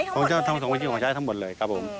ของกินของใช้ทั้งหมดเลยครับ